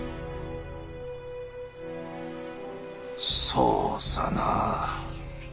そうさな。